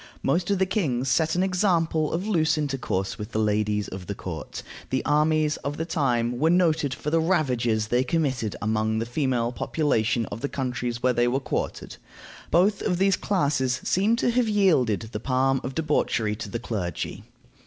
Most of the kings set an example of loose intercourse with the ladies of the court. The armies of the time were noted for the ravages they committed among the female population of the countries where they were quartered. Both of these classes seem to have yielded the palm of debauchery to the clergy.